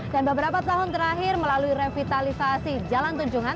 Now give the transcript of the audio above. dan beberapa tahun terakhir melalui revitalisasi jalan tunjungan